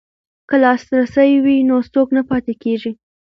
که لاسرسی وي نو څوک نه پاتې کیږي.